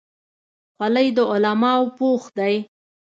خولۍ د علماو پوښ دی.